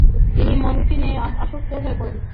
তিনি মরফিনে আসক্ত হয়ে পড়েন।